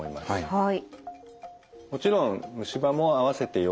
はい。